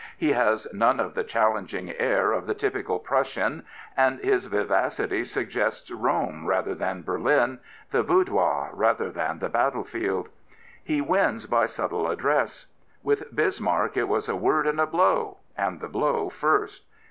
He has none of the challenging air of the typical Prussian, and his vivacity suggests Rome rather than Berlin, the boudoir more than the battle field. He wins by suSfle address. With Bismarck it was a word and a blow — and the blow first.